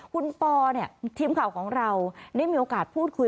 คุณปอเนี่ยทีมข่าวของเราได้มีโอกาสพูดคุย